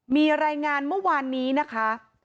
มีรายงานเมื่อวานนี้นะคะ